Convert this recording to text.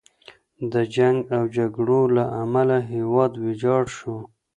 د جنګ او جګړو له امله هیواد ویجاړ شو.